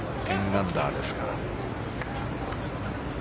１０アンダーですが。